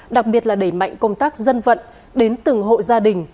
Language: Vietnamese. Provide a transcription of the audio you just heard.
đặc biệt là đẩy mạnh công tác dân vận đến từng hộ gia đình